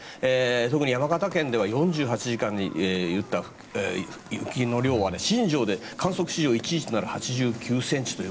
特に山形県では４８時間で降った雪の量は新庄で観測史上１位となる８９ｃｍと。